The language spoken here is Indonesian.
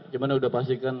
cuman udah pastikan